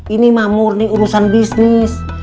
ini mah murni urusan bisnis